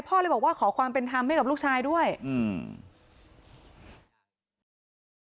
เลยบอกว่าขอความเป็นธรรมให้กับลูกชายด้วยอืม